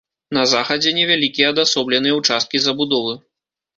На захадзе невялікія адасобленыя ўчасткі забудовы.